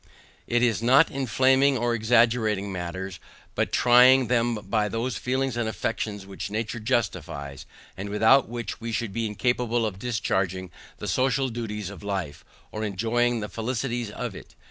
This is not inflaming or exaggerating matters, but trying them by those feelings and affections which nature justifies, and without which, we should be incapable of discharging the social duties of life, or enjoying the felicities of it.